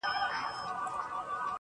عقلاني علم ته د انسان اړتیا راپېژني